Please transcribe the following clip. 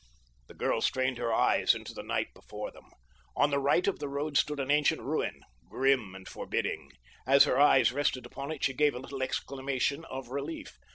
The girl strained her eyes into the night before them. On the right of the road stood an ancient ruin—grim and forbidding. As her eyes rested upon it she gave a little exclamation of relief.